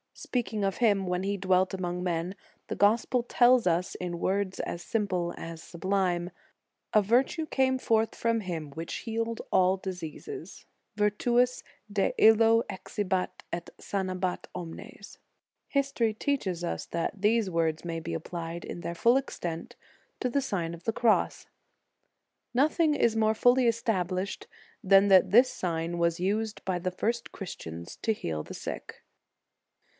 Speaking of Him when he dwelt among men, the Gospel tells us in words as simple as sublime, "a virtue came forth from Him which healed all diseases ; virtus de illo exibat et sanabat (mines History teaches us that these words may be applied in their full extent to the Sign of 159 1 60 The Sign of the Cross the Cross. Nothing is more fully established than that this sign was used by the first Christians to heal the sick.